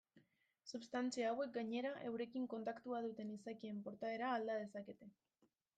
Substantzia hauek, gainera, eurekin kontaktua duten izakien portaera alda dezakete.